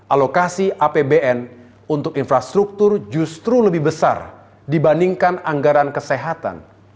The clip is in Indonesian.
alokasi apbn untuk infrastruktur justru lebih besar dibandingkan anggaran kesehatan